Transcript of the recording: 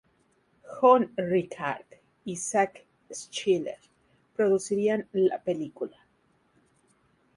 John Rickard y Zack Schiller producirían la película.